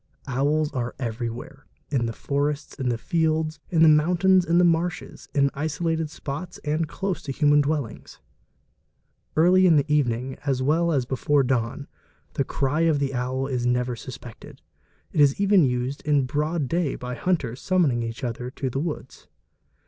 Owls are everywhere, in the forests, in the fields, in the mountains, in the marshes, in isolated spots and close to human dwellings. Early in the evening as well as before dawn, the ery of the owl is never suspected; it is even used in broad day by hunters summoning each other to the woods.